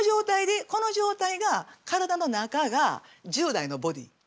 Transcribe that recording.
この状態が体の中が１０代のボディー。